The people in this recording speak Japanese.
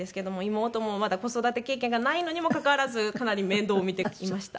妹もまだ子育て経験がないのにもかかわらずかなり面倒を見ました。